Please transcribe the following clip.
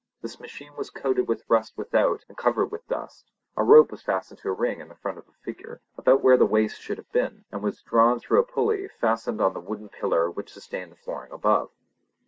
This machine was coated with rust without, and covered with dust; a rope was fastened to a ring in the front of the figure, about where the waist should have been, and was drawn through a pulley, fastened on the wooden pillar which sustained the flooring above.